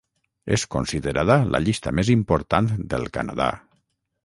És considerada la llista més important del Canadà.